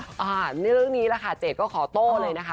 ในเรื่องนี้แหละค่ะเจดก็ขอโต้เลยนะคะ